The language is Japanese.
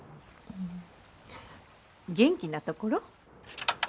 ん元気なところ？